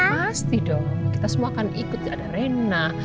pasti dong kita semua akan ikut ada rena